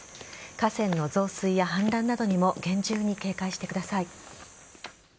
河川の増水や氾濫などにも厳重に警戒してください。